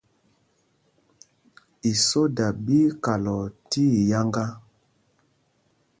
Isóda ɓí í kalɔɔ tíiyáŋgá.